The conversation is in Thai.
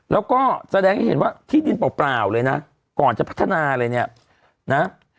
แล้วก็แสดงให้เห็นว่าที่ดินเปล่าเลยนะก่อนจะพัฒนาอะไรเนี่ยนะ